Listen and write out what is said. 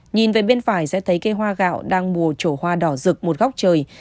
nhìn về bên phải sẽ thấy cây hoa gạo đang mùa trổ hoa đỏ rực một góc trời